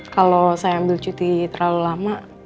kalau saya ambil cuti terlalu lama